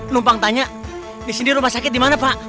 lumpang tanya di sini rumah sakit dimana pak